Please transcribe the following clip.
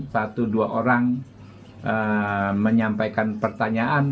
satu dua orang menyampaikan pertanyaan